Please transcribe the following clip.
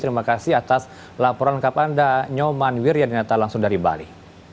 terima kasih atas laporan lengkap anda nyoman wir yang dinata langsung dari bali